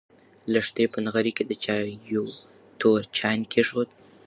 لښتې په نغري کې د چایو تور چاینک کېښود.